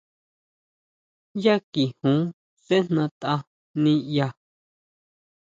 Yá kijun sejna tʼa niʼya.